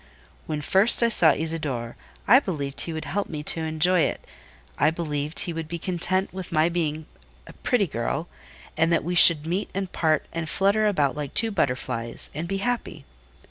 When first I saw Isidore, I believed he would help me to enjoy it I believed he would be content with my being a pretty girl; and that we should meet and part and flutter about like two butterflies, and be happy.